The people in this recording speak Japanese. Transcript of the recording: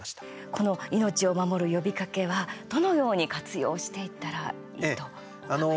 この「命を守る呼びかけ」はどのように活用をしていったらいいとお考えですか？